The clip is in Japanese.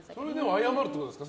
謝るってことですか？